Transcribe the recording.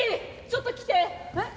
ちょっと来て！